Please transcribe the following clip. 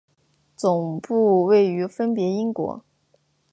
总部位于分别英国。